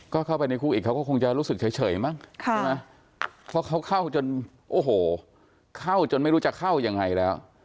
ก็เข้าไปในคุกอีกเขาก็คงจะรู้สึกเฉยมั้งใช่ไหมเพราะเขาเข้าจนโอ้โหเข้าจนไม่รู้จะเข้ายังไงแล้ว